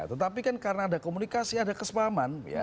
tetapi kan karena ada komunikasi ada kesepahaman